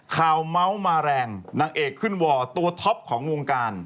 เมาส์มาแรงนางเอกขึ้นวอร์ตัวท็อปของวงการ